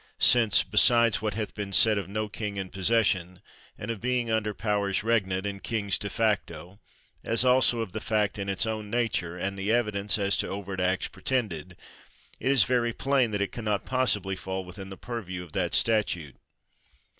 since, besides, what hath been said of no king in possession, and of being under powers regnant, and kings de facto, as also of the fact in its own nature, and the evidence as to overt acts pretended, it is very plain it can not possibly fall within the purview of that statute.